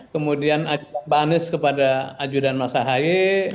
kemudian pak anies kepada ajudan mas ahaye